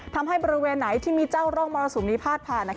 ทำให้บริเวณไหนที่มีเจ้าร่องมรสุมนี้พาดผ่าน